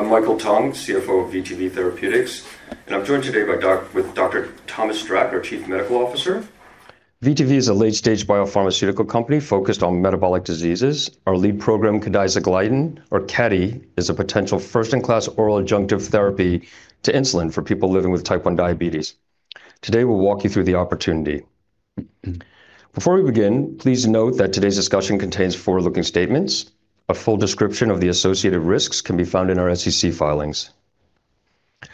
I'm Michael Tung, Chief Financial Officer of vTv Therapeutics, and I'm joined today with Dr. Thomas Strack, our Chief Medical Officer. vTv is a late-stage biopharmaceutical company focused on metabolic diseases. Our lead program, cadisegliatin, or KADI, is a potential first-in-class oral adjunctive therapy to insulin for people living with type 1 diabetes. Today, we'll walk you through the opportunity. Before we begin, please note that today's discussion contains forward-looking statements. A full description of the associated risks can be found in our SEC filings. All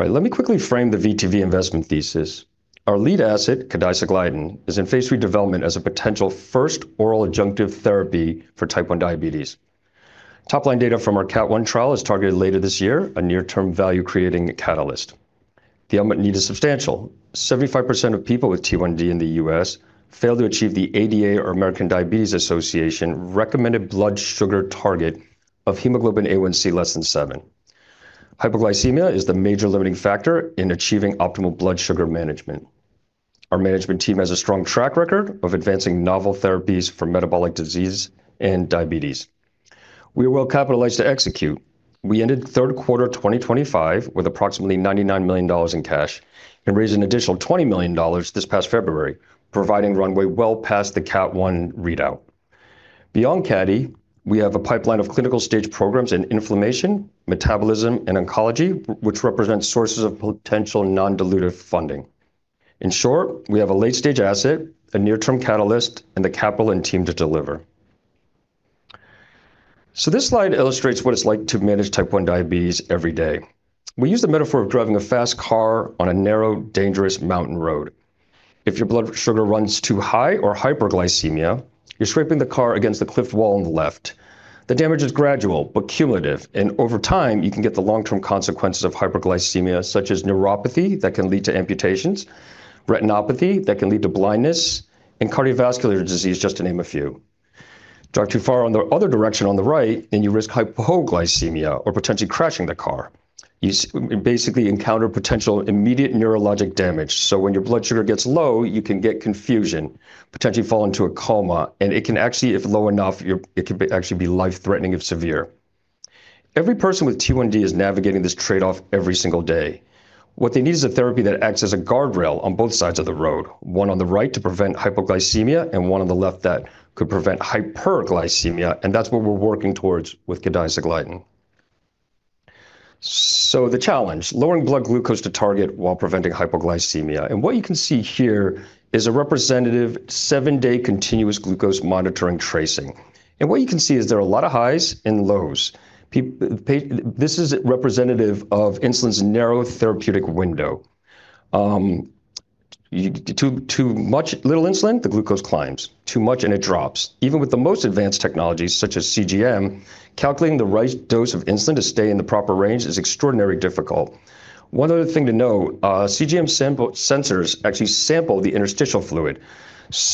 right. Let me quickly frame the vTv investment thesis. Our lead asset, cadisegliatin, is in phase III development as a potential first oral adjunctive therapy for type 1 diabetes. Top-line data from our CATT1 trial is targeted later this year, a near-term value-creating catalyst. The unmet need is substantial. 75% of people with T1D in the U.S. fail to achieve the ADA or American Diabetes Association recommended blood sugar target of hemoglobin A1C less than seven. Hypoglycemia is the major limiting factor in achieving optimal blood sugar management. Our management team has a strong track record of advancing novel therapies for metabolic disease and diabetes. We are well-capitalized to execute. We ended third quarter 2025 with approximately $99 million in cash and raised an additional $20 million this past February, providing runway well past the CATT1 readout. Beyond KADI, we have a pipeline of clinical stage programs in inflammation, metabolism, and oncology, which represent sources of potential non-dilutive funding. In short, we have a late-stage asset, a near-term catalyst, and the capital and team to deliver. This slide illustrates what it's like to manage type 1 diabetes every day. We use the metaphor of driving a fast car on a narrow, dangerous mountain road. If your blood sugar runs too high or hyperglycemia, you're scraping the car against the cliff wall on the left. The damage is gradual but cumulative, and over time, you can get the long-term consequences of hyperglycemia, such as neuropathy that can lead to amputations, retinopathy that can lead to blindness, and cardiovascular disease, just to name a few. Drive too far on the other direction on the right, and you risk hypoglycemia or potentially crashing the car. You basically encounter potential immediate neurologic damage. When your blood sugar gets low, you can get confusion, potentially fall into a coma, and it can actually, if low enough, it could actually be life-threatening if severe. Every person with T1D is navigating this trade-off every single day. What they need is a therapy that acts as a guardrail on both sides of the road, one on the right to prevent hypoglycemia and one on the left that could prevent hyperglycemia, and that's what we're working towards with cadisegliatin. The challenge, lowering blood glucose to target while preventing hypoglycemia. What you can see here is a representative seven-day continuous glucose monitoring tracing. What you can see is there are a lot of highs and lows. This is representative of insulin's narrow therapeutic window. Too little insulin, the glucose climbs. Too much, and it drops. Even with the most advanced technologies, such as CGM, calculating the right dose of insulin to stay in the proper range is extraordinarily difficult. One other thing to note, CGM sensors actually sample the interstitial fluid.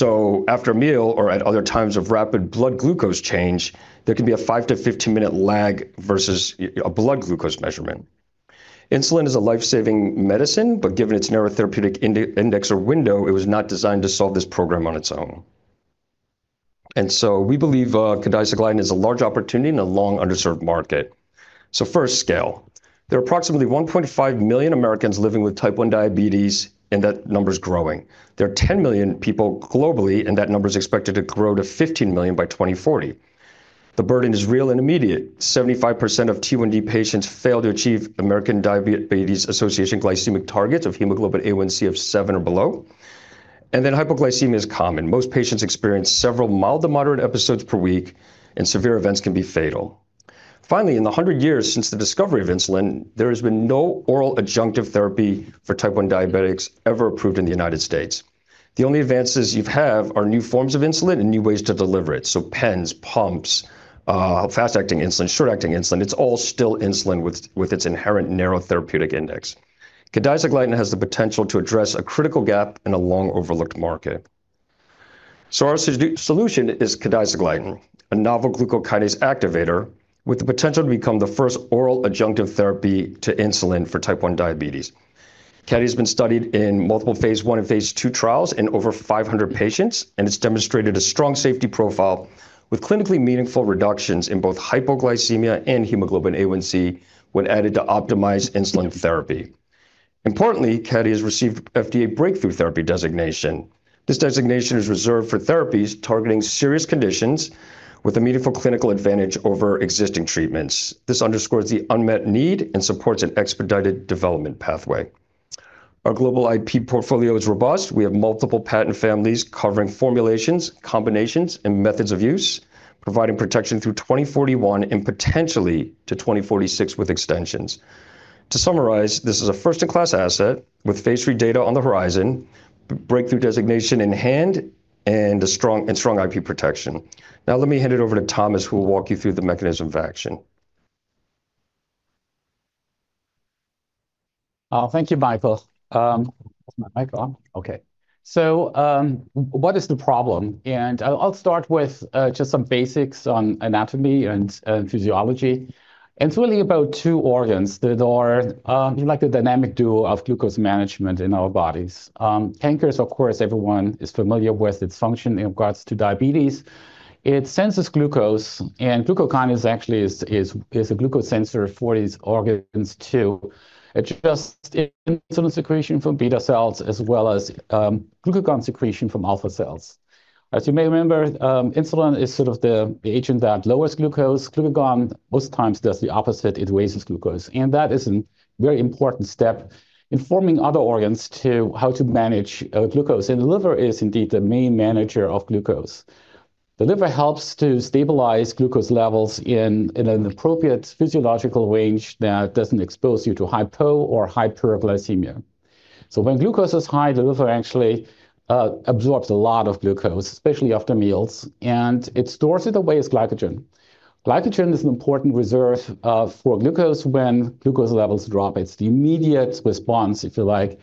After a meal or at other times of rapid blood glucose change, there can be a five to 15-minute lag versus a blood glucose measurement. Insulin is a life-saving medicine, but given its narrow therapeutic index or window, it was not designed to solve this program on its own. We believe cadisegliatin is a large opportunity in a long-underserved market. First, scale. There are approximately 1.5 million Americans living with type 1 diabetes, and that number's growing. There are 10 million people globally, and that number is expected to grow to 15 million by 2040. The burden is real and immediate. 75% of T1D patients fail to achieve American Diabetes Association glycemic targets of hemoglobin A1C of seven or below. Hypoglycemia is common. Most patients experience several mild to moderate episodes per week, and severe events can be fatal. In the 100 years since the discovery of insulin, there has been no oral adjunctive therapy for type 1 diabetics ever approved in the U.S. The only advances you have are new forms of insulin and new ways to deliver it. Pens, pumps, fast-acting insulin, short-acting insulin, it's all still insulin with its inherent narrow therapeutic index. Cadisegliatin has the potential to address a critical gap in a long-overlooked market. Our solution is cadisegliatin, a novel glucokinase activator with the potential to become the first oral adjunctive therapy to insulin for type 1 diabetes. KADI has been studied in multiple phase I and phase II trials in over 500 patients, and it's demonstrated a strong safety profile with clinically meaningful reductions in both hypoglycemia and hemoglobin A1C when added to optimized insulin therapy. Importantly, KADI has received FDA breakthrough therapy designation. This designation is reserved for therapies targeting serious conditions with a meaningful clinical advantage over existing treatments. This underscores the unmet need and supports an expedited development pathway. Our global IP portfolio is robust. We have multiple patent families covering formulations, combinations, and methods of use, providing protection through 2041 and potentially to 2046 with extensions. To summarize, this is a first-in-class asset with phase III data on the horizon, Breakthrough Designation in hand, and strong IP protection. Let me hand it over to Thomas, who will walk you through the mechanism of action. Thank you, Michael. Is my mic on? Okay. What is the problem? I'll start with just some basics on anatomy and physiology. It's really about two organs that are like the dynamic duo of glucose management in our bodies. Pancreas, of course, everyone is familiar with its function in regards to diabetes. It senses glucose, and glucokinase actually is a glucose sensor for these organs too. It adjusts insulin secretion from beta cells as well as glucagon secretion from alpha cells. As you may remember, insulin is sort of the agent that lowers glucose. Glucagon, most times, does the opposite. It raises glucose. That is a very important step informing other organs how to manage glucose, and the liver is indeed the main manager of glucose. The liver helps to stabilize glucose levels in an appropriate physiological range that doesn't expose you to hypo or hyperglycemia. When glucose is high, the liver actually absorbs a lot of glucose, especially after meals, and it stores it away as glycogen. Glycogen is an important reserve for glucose when glucose levels drop. It's the immediate response, if you like,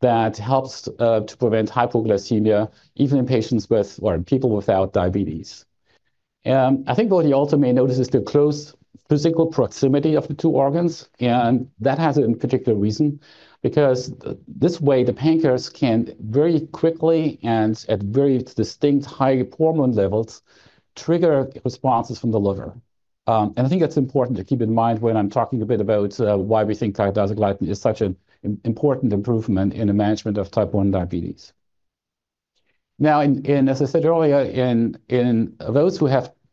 that helps to prevent hypoglycemia, even in people without diabetes. I think what you also may notice is the close physical proximity of the two organs, and that has a particular reason, because this way the pancreas can very quickly and at very distinct high hormone levels trigger responses from the liver. I think that's important to keep in mind when I'm talking a bit about why we think cadisegliatin is such an important improvement in the management of type 1 diabetes. As I said earlier, in those who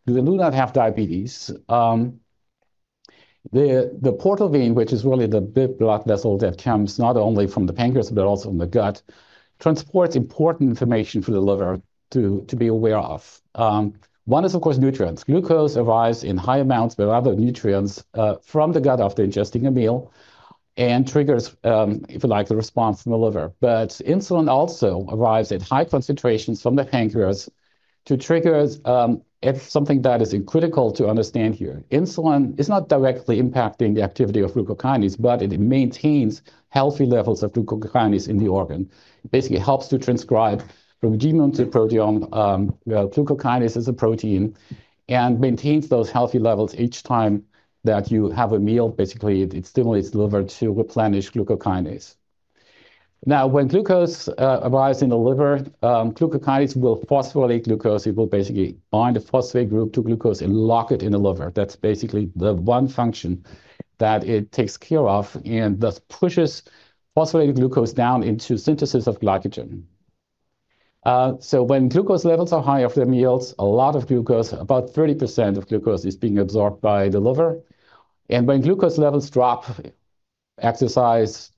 do not have diabetes, the portal vein, which is really the big blood vessel that comes not only from the pancreas but also from the gut, transports important information for the liver to be aware of. One is, of course, nutrients. Glucose arrives in high amounts with other nutrients from the gut after ingesting a meal and triggers, if you like, the response from the liver. Insulin also arrives at high concentrations from the pancreas. It's something that is critical to understand here. Insulin is not directly impacting the activity of glucokinase, but it maintains healthy levels of glucokinase in the organ. It basically helps to transcribe from genome to proteome, glucokinase as a protein, and maintains those healthy levels each time that you have a meal. It stimulates the liver to replenish glucokinase. When glucose arrives in the liver, glucokinase will phosphorylate glucose. It will basically bind a phosphate group to glucose and lock it in the liver. That's basically the one function that it takes care of, and thus pushes phosphorylated glucose down into synthesis of glycogen. When glucose levels are high after meals, a lot of glucose, about 30% of glucose is being absorbed by the liver, and when glucose levels drop, exercise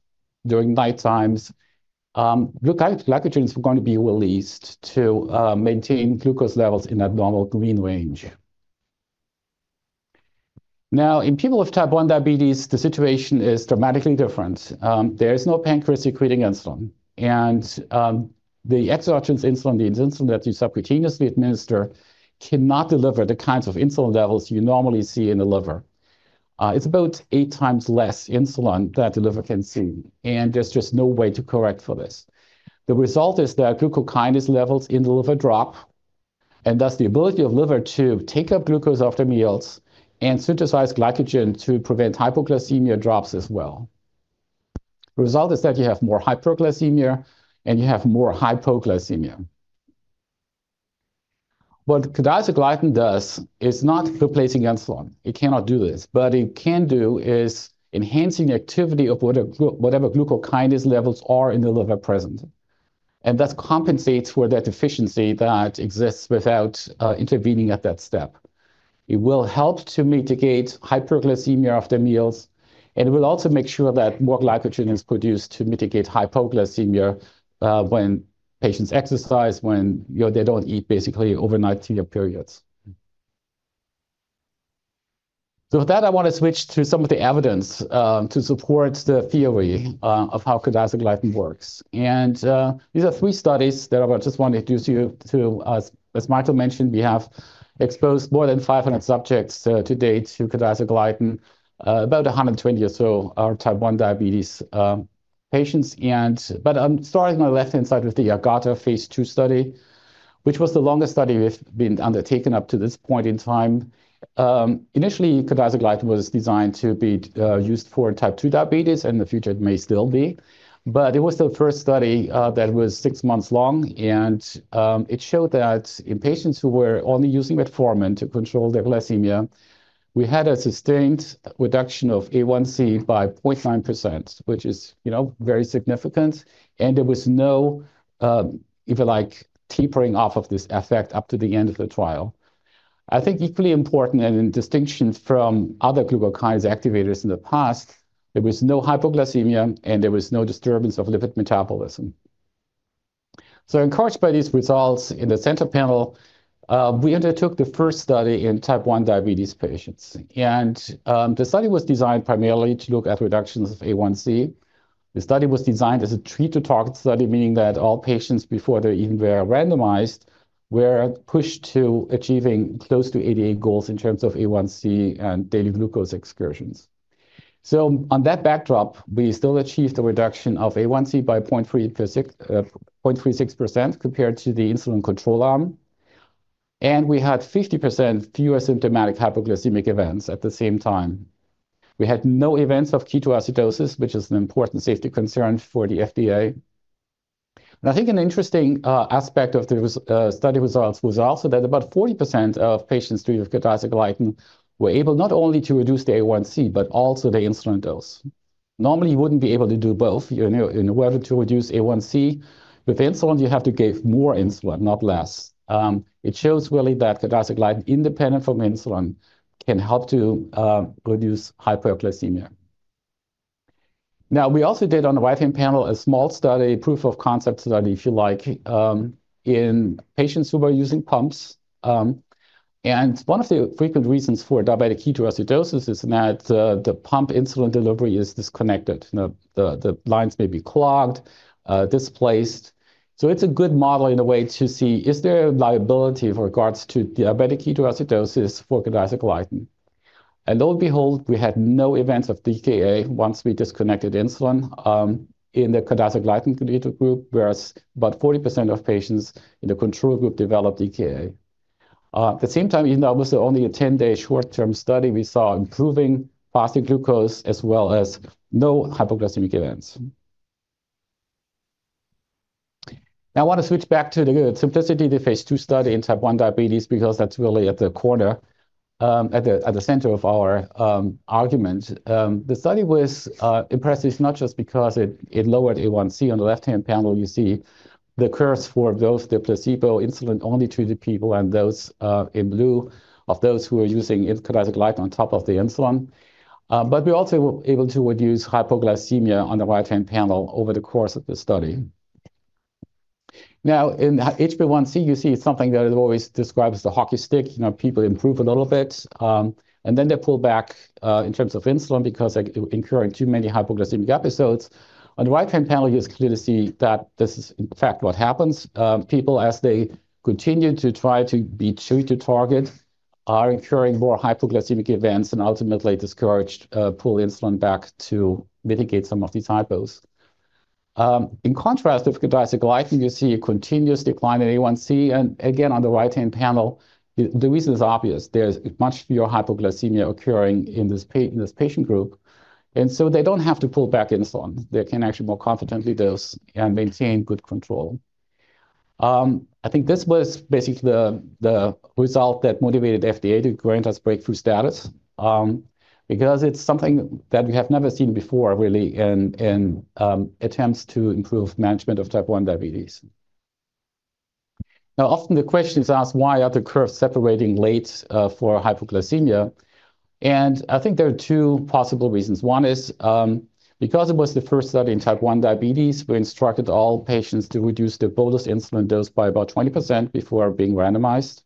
during night times, glucagon and glycogen's going to be released to maintain glucose levels in a normal green range. In people with type 1 diabetes, the situation is dramatically different. There is no pancreas secreting insulin, and the exogenous insulin, the insulin that you subcutaneously administer, cannot deliver the kinds of insulin levels you normally see in the liver. It's about eight times less insulin that the liver can see, and there's just no way to correct for this. The result is that glucokinase levels in the liver drop, and thus the ability of liver to take up glucose after meals and synthesize glycogen to prevent hypoglycemia drops as well. Result is that you have more hyperglycemia and you have more hypoglycemia. What tirzepatide does is not replacing insulin. It cannot do this. What it can do is enhancing activity of whatever glucokinase levels are in the liver present, and thus compensates for that deficiency that exists without intervening at that step. It will help to mitigate hyperglycemia after meals, and it will also make sure that more glycogen is produced to mitigate hypoglycemia when patients exercise, when they don't eat, basically overnight periods. With that, I want to switch to some of the evidence to support the theory of how tirzepatide works. These are three studies that I just want to introduce you to. As Michael mentioned, we have exposed more than 500 subjects to date to tirzepatide, about 120 or so are type 1 diabetes patients. I'm starting on the left-hand side with the AGATA phase II study, which was the longest study we've been undertaking up to this point in time. Initially, tirzepatide was designed to be used for type 2 diabetes. In the future, it may still be. It was the first study that was six months long, and it showed that in patients who were only using metformin to control their glycemia, we had a sustained reduction of A1C by 0.9%, which is very significant, and there was no, if you like, tapering off of this effect up to the end of the trial. I think equally important, and in distinction from other glucokinase activators in the past, there was no hypoglycemia and there was no disturbance of lipid metabolism. Encouraged by these results in the center panel, we undertook the first study in type 1 diabetes patients, and the study was designed primarily to look at reductions of A1C. The study was designed as a treat-to-target study, meaning that all patients, before they even were randomized, were pushed to achieving close to ADA goals in terms of A1C and daily glucose excursions. On that backdrop, we still achieved a reduction of A1C by 0.36% compared to the insulin control arm. We had 50% fewer symptomatic hypoglycemic events at the same time. We had no events of ketoacidosis, which is an important safety concern for the FDA. I think an interesting aspect of the study results was also that about 40% of patients treated with tirzepatide were able not only to reduce the A1C, but also the insulin dose. Normally, you wouldn't be able to do both. In order to reduce A1C with insulin, you have to give more insulin, not less. It shows really that tirzepatide, independent from insulin, can help to reduce hypoglycemia. We also did, on the right-hand panel, a small study, proof of concept study, if you like, in patients who were using pumps. One of the frequent reasons for diabetic ketoacidosis is that the pump insulin delivery is disconnected. The lines may be clogged, displaced. It's a good model in a way to see, is there a liability with regards to diabetic ketoacidosis for tirzepatide? Lo and behold, we had no events of DKA once we disconnected insulin in the tirzepatide group, whereas about 40% of patients in the control group developed DKA. At the same time, even though it was only a 10-day short-term study, we saw improving fasting glucose as well as no hypoglycemic events. I want to switch back to the Simplici-T1, the phase II study in type 1 diabetes, because that's really at the center of our argument. The study was impressive not just because it lowered A1C. On the left-hand panel, you see the curves for both the placebo insulin only treated people and those in blue of those who are using tirzepatide on top of the insulin. We're also able to reduce hypoglycemia on the right-hand panel over the course of the study. In HbA1c, you see something that is always described as the hockey stick. People improve a little bit, then they pull back in terms of insulin because they're incurring too many hypoglycemic episodes. On the right-hand panel, you clearly see that this is in fact what happens. People, as they continue to try to be true to target, are incurring more hypoglycemic events and ultimately discouraged, pull insulin back to mitigate some of these hypos. In contrast, with tirzepatide, you see a continuous decline in A1C, and again, on the right-hand panel, the reason is obvious. There's much fewer hypoglycemia occurring in this patient group, they don't have to pull back insulin. They can actually more confidently dose and maintain good control. I think this was basically the result that motivated FDA to grant us breakthrough status, because it's something that we have never seen before, really, in attempts to improve management of type 1 diabetes. Often the question is asked, why are the curves separating late for hypoglycemia? I think there are two possible reasons. One is, because it was the first study in type 1 diabetes, we instructed all patients to reduce their bolus insulin dose by about 20% before being randomized.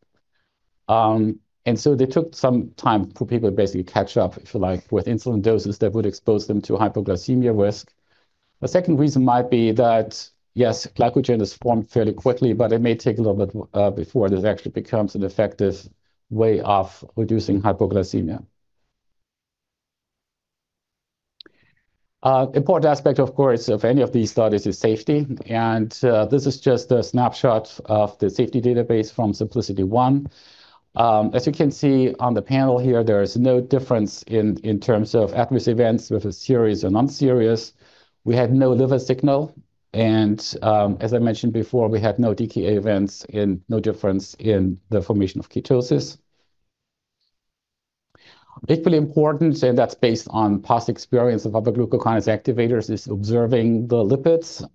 They took some time for people to basically catch up, if you like, with insulin doses that would expose them to hypoglycemia risk. The second reason might be that, yes, glucagon is formed fairly quickly, it may take a little bit before it actually becomes an effective way of reducing hypoglycemia. An important aspect, of course, of any of these studies is safety, this is just a snapshot of the safety database from Simplici-T1. As you can see on the panel here, there is no difference in terms of adverse events, whether serious or non-serious. We had no liver signal, as I mentioned before, we had no DKA events and no difference in the formation of ketosis. Equally important, that's based on past experience of other glucokinase activators, is observing the lipids.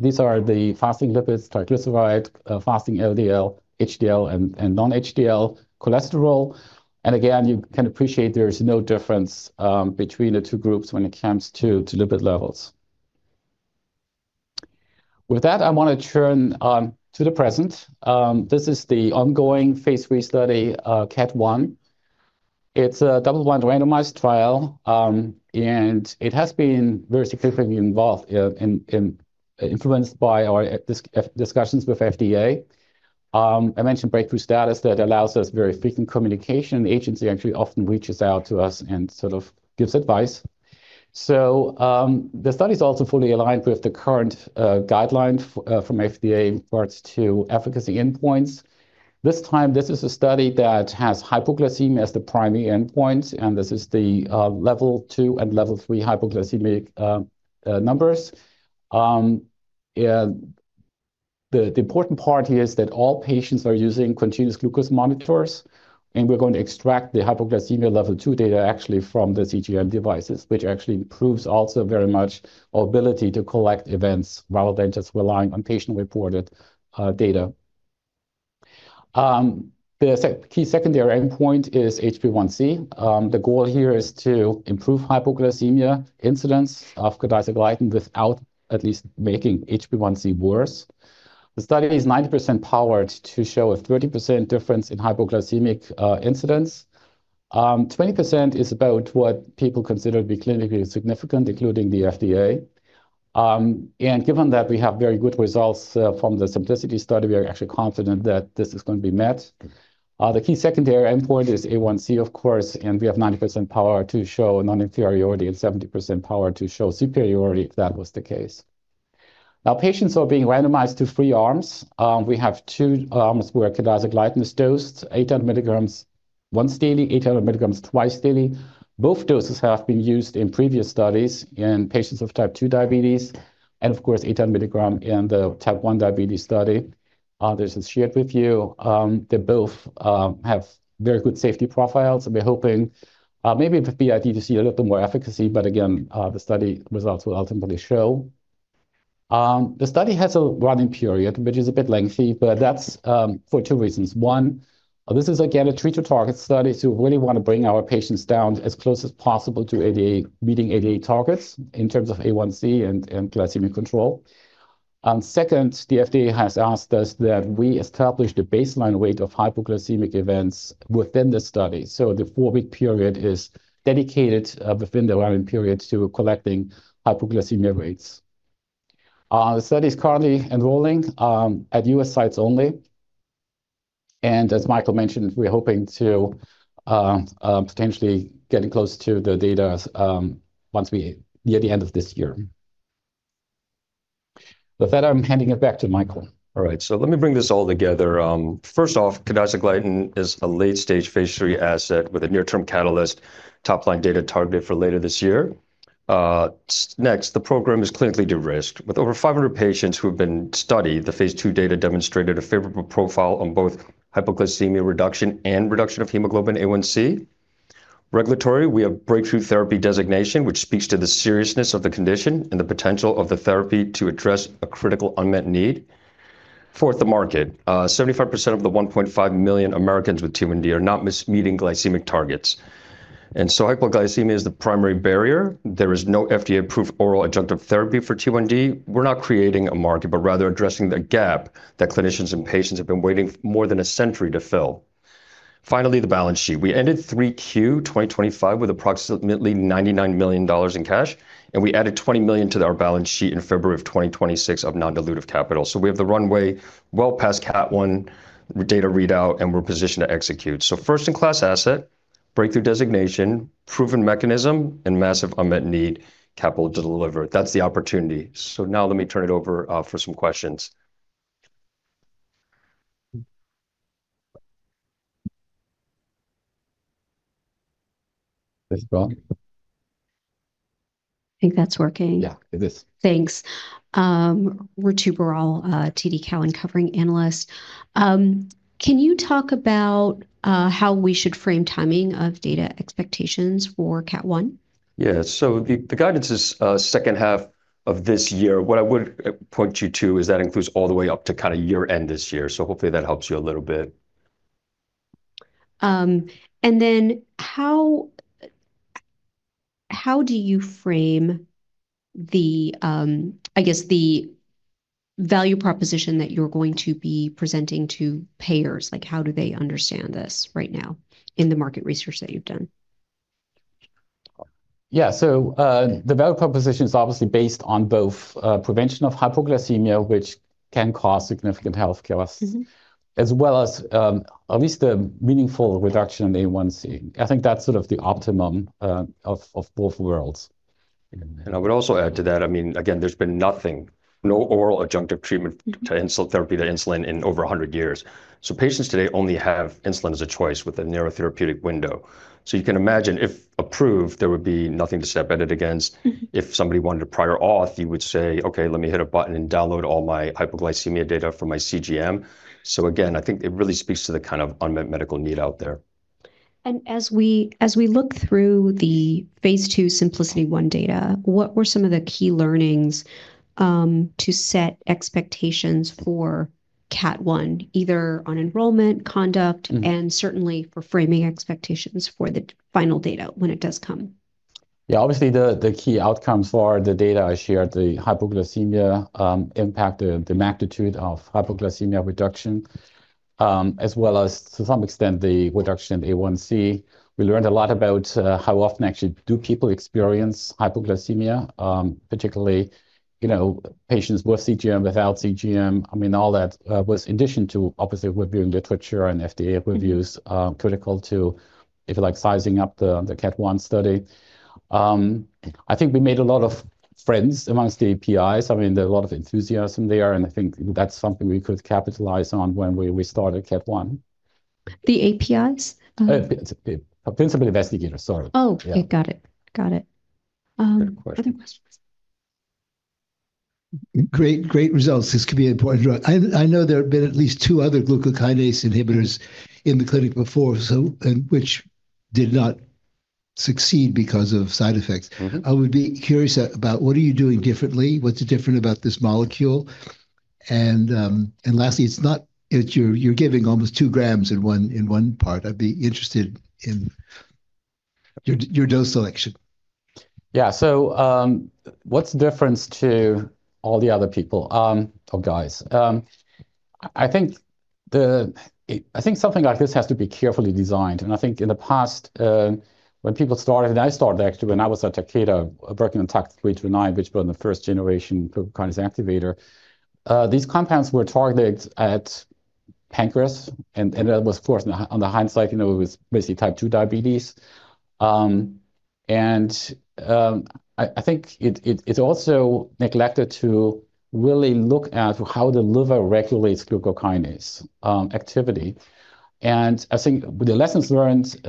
These are the fasting lipids, triglyceride, fasting LDL, HDL, and non-HDL cholesterol. Again, you can appreciate there is no difference between the two groups when it comes to lipid levels. With that, I want to turn to the present. This is the ongoing phase III study, CATT1. It's a double-blind randomized trial, it has been very significantly involved and influenced by our discussions with FDA. I mentioned breakthrough status that allows us very frequent communication. The agency actually often reaches out to us and sort of gives advice. The study is also fully aligned with the current guidelines from FDA in regards to efficacy endpoints. This time, this is a study that has hypoglycemia as the primary endpoint, this is the level 2 and level 3 hypoglycemic numbers. The important part here is that all patients are using continuous glucose monitors, we're going to extract the hypoglycemia level 2 data actually from the CGM devices, which actually improves also very much our ability to collect events rather than just relying on patient-reported data. The key secondary endpoint is HbA1c. The goal here is to improve hypoglycemia incidence of tirzepatide without at least making HbA1c worse. The study is 90% powered to show a 30% difference in hypoglycemic incidence. 20% is about what people consider to be clinically significant, including the FDA. Given that we have very good results from the Simplici-T1 study, we are actually confident that this is going to be met. The key secondary endpoint is A1C, of course, we have 90% power to show non-inferiority and 70% power to show superiority if that was the case. Patients are being randomized to three arms. We have two arms where cadisegliatin is dosed, 800 milligrams once daily, 800 milligrams twice daily. Both doses have been used in previous studies in patients with type 2 diabetes and of course 800 milligram in the type 1 diabetes study. This is shared with you. They both have very good safety profiles, we're hoping maybe with BID to see a little more efficacy. But again, the study results will ultimately show. The study has a run-in period, which is a bit lengthy, but that's for two reasons. One, this is again a treat-to-target study, we really want to bring our patients down as close as possible to ADA, meeting ADA targets in terms of A1C and glycemic control. Second, the FDA has asked us that we establish the baseline rate of hypoglycemic events within the study. The 4-week period is dedicated within the run-in period to collecting hypoglycemia rates. The study's currently enrolling at U.S. sites only, as Michael mentioned, we're hoping to potentially getting close to the data near the end of this year. With that, I'm handing it back to Michael. Let me bring this all together. First off, cadisegliatin is a late-stage phase III asset with a near-term catalyst top-line data target for later this year. Next, the program is clinically derisked. With over 500 patients who have been studied, the phase II data demonstrated a favorable profile on both hypoglycemia reduction and reduction of hemoglobin A1C. Regulatory, we have breakthrough therapy designation, which speaks to the seriousness of the condition and the potential of the therapy to address a critical unmet need. Fourth, the market. 75% of the 1.5 million Americans with T1D are not meeting glycemic targets. Hypoglycemia is the primary barrier. There is no FDA-approved oral adjunctive therapy for T1D. We're not creating a market, but rather addressing the gap that clinicians and patients have been waiting more than a century to fill. Finally, the balance sheet. We ended 3Q 2025 with approximately $99 million in cash, we added $20 million to our balance sheet in February of 2026 of non-dilutive capital. We have the runway well past CATT1 data readout, we're positioned to execute. First-in-class asset, breakthrough designation, proven mechanism, massive unmet need, capital to deliver. That's the opportunity. Let me turn it over for some questions. Ms. Brown? I think that's working. Yeah, it is. Thanks. Ritu Baral, TD Cowen covering analyst. Can you talk about how we should frame timing of data expectations for CATT1? Yeah. The guidance is second half of this year. What I would point you to is that includes all the way up to year-end this year, hopefully that helps you a little bit. How do you frame the value proposition that you're going to be presenting to payers? How do they understand this right now in the market research that you've done? Yeah. The value proposition is obviously based on both prevention of hypoglycemia, which can cause significant health costs. As well as at least a meaningful reduction in A1C. I think that's sort of the optimum of both worlds. I would also add to that, again, there's been nothing, no oral adjunctive treatment to insulin therapy, to insulin in over 100 years. Patients today only have insulin as a choice with a narrow therapeutic window. You can imagine, if approved, there would be nothing to set up against. If somebody wanted a prior authorization, you would say, "Okay, let me hit a button and download all my hypoglycemia data from my CGM." Again, I think it really speaks to the kind of unmet medical need out there. As we look through the phase II SimpliciT-1 data, what were some of the key learnings to set expectations for CATT1, either on enrollment, conduct, Certainly for framing expectations for the final data when it does come? Yeah. Obviously, the key outcomes for the data I shared, the hypoglycemia impact, the magnitude of hypoglycemia reduction, as well as to some extent the reduction in A1C. We learned a lot about how often actually do people experience hypoglycemia, particularly patients with CGM, without CGM. All that was in addition to obviously reviewing literature and FDA reviews. critical to, if you like, sizing up the CATT1 study. I think we made a lot of friends amongst the PIs. There was a lot of enthusiasm there, and I think that's something we could capitalize on when we start at CATT1. The PIs? PI. Principal investigator. Sorry. Oh, got it. Got it. Good question. Other questions? Great results. This could be an important drug. I know there have been at least two other glucokinase inhibitors in the clinic before, which did not succeed because of side effects. I would be curious about what are you doing differently? What's different about this molecule? Lastly, you're giving almost two grams in one part. I'd be interested in your dose selection. Yeah. What's different to all the other people or guys? I think something like this has to be carefully designed, and I think in the past, when people started, and I started actually when I was at Takeda working on TAK-329, which was one of the first generation glucokinase activator. These compounds were targeted at pancreas, and that was, of course, on the hindsight, it was basically type 2 diabetes. I think it's also neglected to really look at how the liver regulates glucokinase activity. I think the lessons learned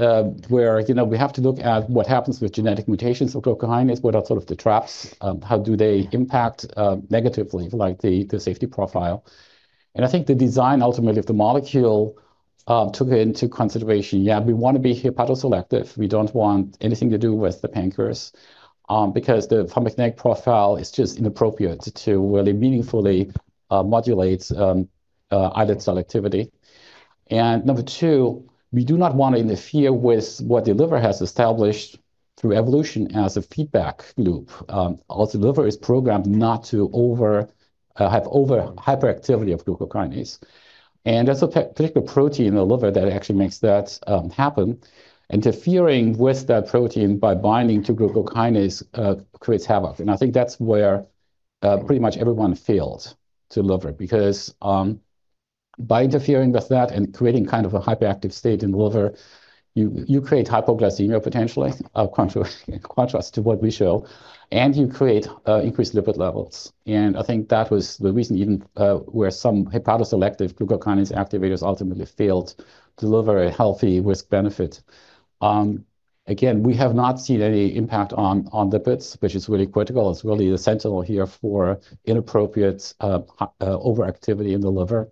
where we have to look at what happens with genetic mutations of glucokinase. What are sort of the traps? How do they impact negatively, like the safety profile? I think the design, ultimately, of the molecule took into consideration, yeah, we want to be hepatoselective. We don't want anything to do with the pancreas, because the pharmacologic profile is just inappropriate to really meaningfully modulate islet cell activity. Number 2, we do not want to interfere with what the liver has established through evolution as a feedback loop. Also, liver is programmed not to have over hyperactivity of glucokinase. There's a particular protein in the liver that actually makes that happen. Interfering with that protein by binding to glucokinase creates havoc. I think that's where pretty much everyone failed to deliver. Because by interfering with that and creating kind of a hyperactive state in the liver, you create hypoglycemia, potentially, in contrast to what we show, and you create increased lipid levels. I think that was the reason even where some hepatoselective glucokinase activators ultimately failed to deliver a healthy risk-benefit. Again, we have not seen any impact on lipids, which is really critical. It's really essential here for inappropriate overactivity in the liver.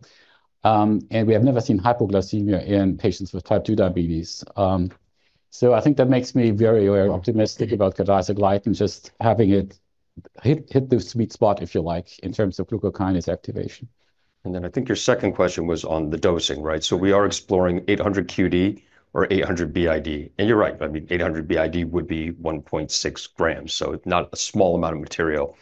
We have never seen hypoglycemia in patients with type 2 diabetes. I think that makes me very optimistic about cadisegliatin and just having it hit the sweet spot, if you like, in terms of glucokinase activation. I think your second question was on the dosing, right? We are exploring 800 QD or 800 BID. You're right, I mean, 800 BID would be 1.6 grams, so it's not a small amount of material.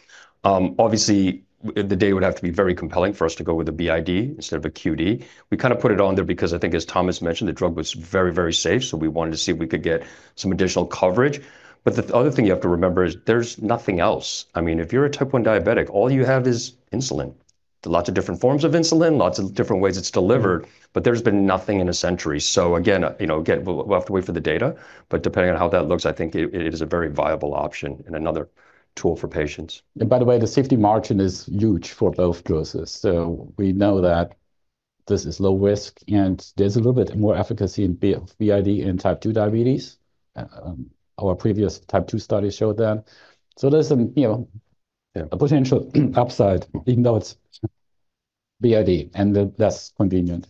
Obviously, the data would have to be very compelling for us to go with a BID instead of a QD. We kind of put it on there because I think, as Thomas mentioned, the drug was very, very safe, so we wanted to see if we could get some additional coverage. The other thing you have to remember is there's nothing else. If you're a type 1 diabetic, all you have is insulin. There are lots of different forms of insulin, lots of different ways it's delivered, but there's been nothing in a century. Again, we'll have to wait for the data, but depending on how that looks, I think it is a very viable option and another tool for patients. By the way, the safety margin is huge for both doses. We know that this is low risk, and there's a little bit more efficacy in BID in type 2 diabetes. Our previous type 2 studies show that. There's a potential upside, even though it's BID and less convenient.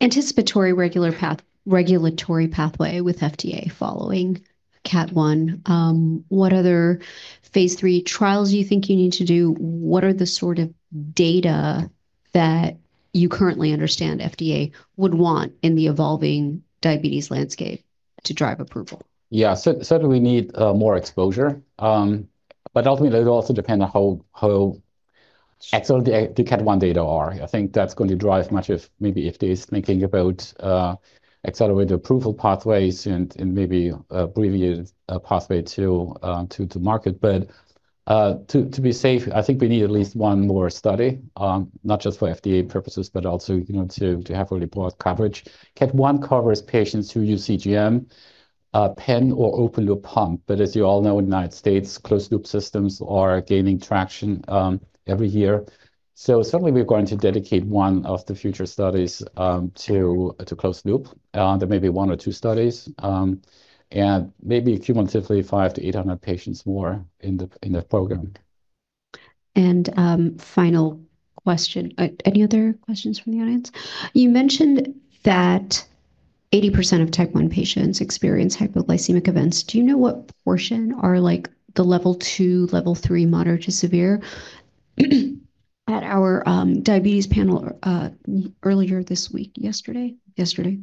Anticipatory regulatory pathway with FDA following CATT1. What other phase III trials do you think you need to do? What are the sort of data that you currently understand FDA would want in the evolving diabetes landscape to drive approval? Yeah. Certainly, we need more exposure. Ultimately, it'll also depend on how excellent the CATT1 data are. I think that's going to drive much of maybe if there's thinking about accelerated approval pathways and maybe abbreviated pathway to market. To be safe, I think we need at least one more study, not just for FDA purposes, but also to have really broad coverage. CATT1 covers patients who use CGM, pen, or open loop pump. As you all know, in the U.S., closed loop systems are gaining traction every year. Certainly we're going to dedicate one of the future studies to closed loop. There may be one or two studies, and maybe cumulatively five to 800 patients more in the program. Final question. Any other questions from the audience? You mentioned that 80% of type 1 patients experience hypoglycemic events. Do you know what portion are the level 2, level 3, moderate to severe? At our diabetes panel earlier this week, yesterday? Yesterday.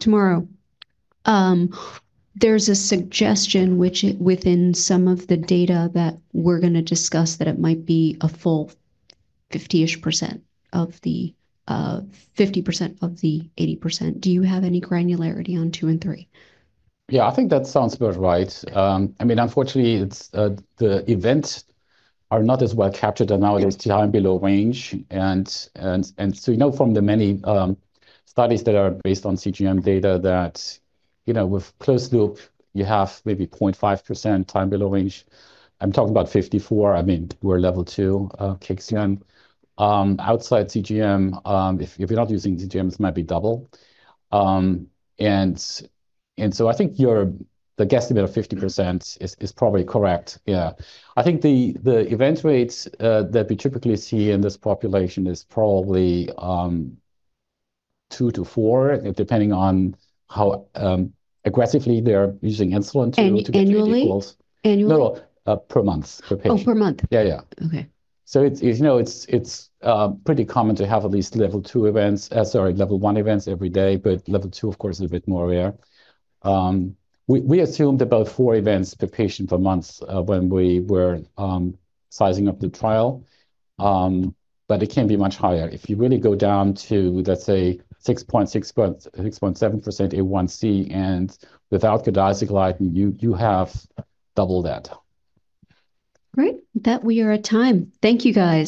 Tomorrow. There's a suggestion within some of the data that we're going to discuss, that it might be a full 50ish% of the 50% of the 80%. Do you have any granularity on two and three? Yeah, I think that sounds about right. Unfortunately, the events are not as well captured, and now it is time below range. You know from the many studies that are based on CGM data that with closed loop, you have maybe 0.5% time below range. I'm talking about 54, I mean, where level 2 kicks in. Outside CGM, if you're not using CGMs, might be double. I think the guesstimate of 50% is probably correct, yeah. I think the event rates that we typically see in this population is probably two to four, depending on how aggressively they're using insulin to- Annually? No. Per month, per patient. Oh, per month. Yeah. Okay. It's pretty common to have at least level 2 events, sorry, level 1 events every day, but level 2, of course, is a bit more rare. We assumed about four events per patient per month when we were sizing up the trial, but it can be much higher. If you really go down to, let's say, 6.6%, 6.7% A1C, and without cadisegliatin, you have double that. Great. With that, we are at time. Thank you, guys